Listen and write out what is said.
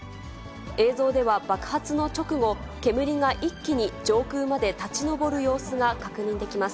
映像では爆発の直後、煙が一気に上空まで立ち上る様子が確認できます。